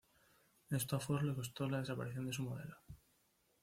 Esto a Ford le costó la desaparición de su modelo.